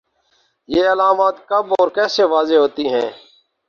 یہ علامات کب اور کیسے واضح ہوتی ہیں